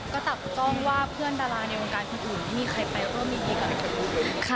ก็ตัดต้องว่าเพื่อนดาราในวงการพื้นอื่นมีใครไปร่วมยินดีกัน